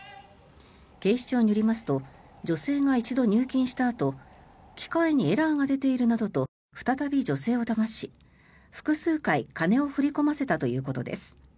警視庁によりますと女性が一度、入金したあと機械にエラーが出ているなどと再び女性をだまし複数回、金を振り込ませたということです。